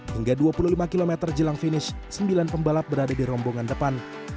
hingga dua puluh lima km jelang finish sembilan pembalap berada di rombongan depan